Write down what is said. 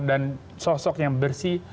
dan sosok yang bersih